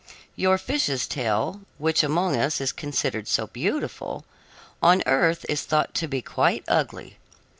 Your fish's tail, which among us is considered so beautiful, on earth is thought to be quite ugly.